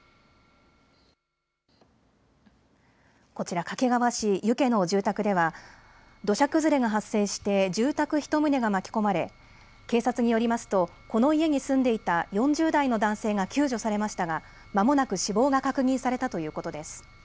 こちら、掛川市遊家の住宅では土砂崩れが発生して住宅１棟が巻き込まれ警察によりますとこの家に住んでいた４０代の男性が救助されましたが、まもなく死亡が確認されたということです。